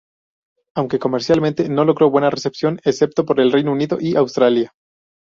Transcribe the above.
Aunque, comercialmente no logró buena recepción, excepto por el Reino Unido y Australia.